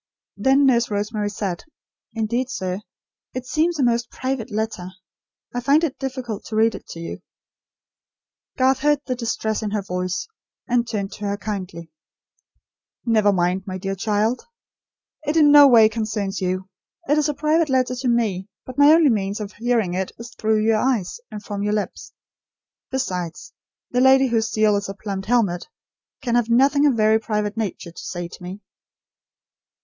Then Nurse Rosemary said: "Indeed, sir, it seems a most private letter. I find it difficult to read it to you." Garth heard the distress in her voice, and turned to her kindly. "Never mind, my dear child. It in no way concerns you. It is a private letter to me; but my only means of hearing it is through your eyes, and from your lips. Besides, the lady, whose seal is a plumed helmet, can have nothing of a very private nature to say to me."